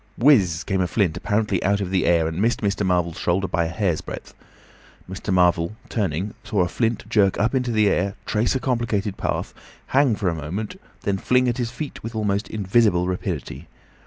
Whizz came a flint, apparently out of the air, and missed Mr. Marvel's shoulder by a hair's breadth. Mr. Marvel, turning, saw a flint jerk up into the air, trace a complicated path, hang for a moment, and then fling at his feet with almost invisible rapidity.